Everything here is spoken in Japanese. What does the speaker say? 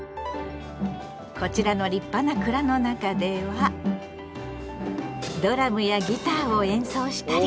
こちらの立派な蔵の中ではドラムやギターを演奏したり。